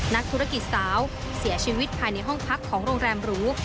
นักธุรกิจสาวเสียชีวิตภายในห้องพักของโรงแรมหรู